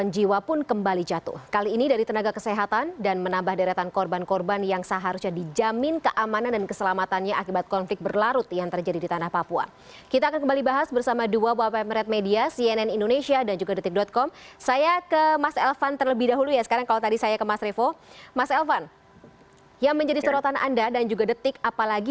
jadi tugas tugas kemanusiaan yang harus dilindungi